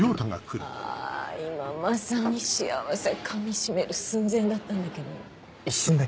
あ今まさに幸せかみしめる寸前だったんだけど。